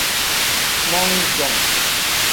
Mon-som.